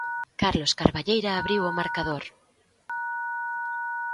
Carlos Carballeira abriu o marcador.